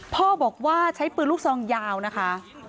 พ่อบอกว่าใช้ปืนลูกซองยาวนะคะ